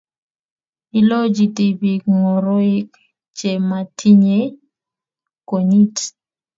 ilochi tibiik ngoroik chematinyei konyit